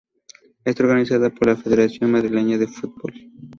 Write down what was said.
Está organizada por la Federación Madrileña de Fútbol.